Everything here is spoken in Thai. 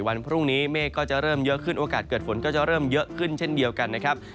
วันพรุ่งนี้เมฆก็จะเริ่มเยอะขึ้นโอกาสเกิดฝนก็จะเริ่มเยอะขึ้นเช่นเดียวกันนะครับ